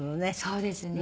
そうですね。